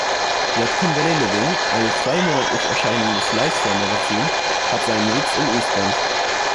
Yadkin Valley Living, eine zweimonatlich erscheinendes Lifestyle-Magazin, hat seinen Sitz in East Bend.